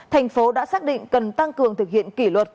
thành phố đã xác định cần tăng cường thực hiện kỷ luật